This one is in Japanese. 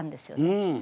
うん。